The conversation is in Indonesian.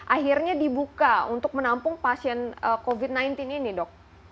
akhirnya dibuka untuk menampung pasien covid sembilan belas ini dok